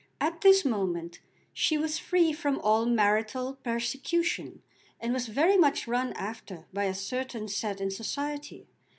At this moment she was free from all marital persecution, and was very much run after by a certain set in society.